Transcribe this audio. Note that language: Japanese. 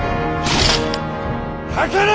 かかれ！